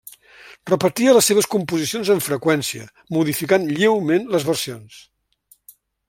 Repetia les seves composicions amb freqüència, modificant lleument les versions.